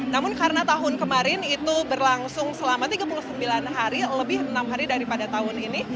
namun karena tahun kemarin itu berlangsung selama tiga puluh sembilan hari lebih enam hari daripada tahun ini